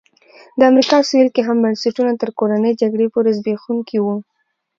د امریکا سوېل کې هم بنسټونه تر کورنۍ جګړې پورې زبېښونکي وو.